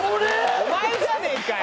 お前じゃねえかよ！